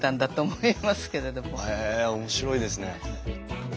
へえ面白いですね。